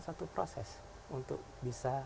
satu proses untuk bisa